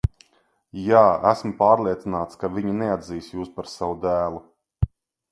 Jā, esmu pārliecināts, ka viņi neatzīs jūs par savu dēlu.